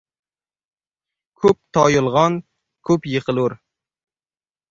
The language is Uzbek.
Ko‘p toyilg‘on ko‘p yiqilur.